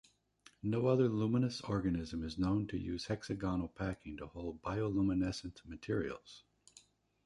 No other luminous organism is known to use hexagonal packing to hold bioluminescent materials.